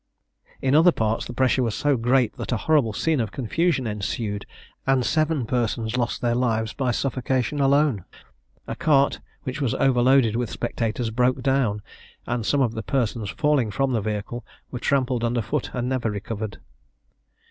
In other parts, the pressure was so great that a horrible scene of confusion ensued, and seven persons lost their lives by suffocation alone. A cart which was overloaded with spectators broke down, and some of the persons falling from the vehicle, were trampled under foot and never recovered.